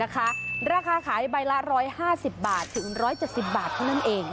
ราคาขายใบละ๑๕๐บาทถึง๑๗๐บาทเท่านั้นเอง